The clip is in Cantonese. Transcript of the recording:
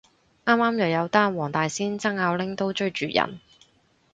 啱啱又有單黃大仙爭拗拎刀追住人